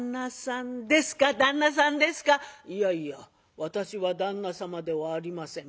「いやいや私は旦那様ではありません。